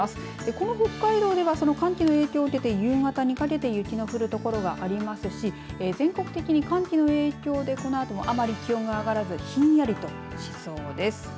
この北海道ではその寒気の影響を受けて夕方にかけて雪の降る所がありますし全国的に寒気の影響でこのあともあまり気温が上がらずひんやりとしそうです。